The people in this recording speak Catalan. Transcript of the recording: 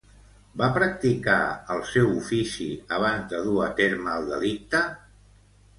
Va practicar el seu ofici abans de dur a terme el delicte?